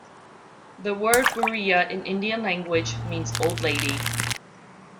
The word 'buriya' in Indian language means 'an old lady'.